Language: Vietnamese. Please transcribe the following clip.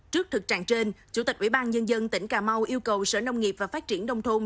trước thực trạng trên chủ tịch ủy ban nhân dân tỉnh cà mau yêu cầu sở nông nghiệp và phát triển đông thôn